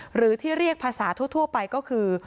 หรือที่เรียกภาษาทั่วไปก็คือ